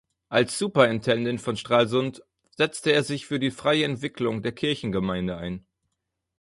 Als Superintendent von Stralsund setzte er sich für die freie Entwicklung der Kirchengemeinde ein.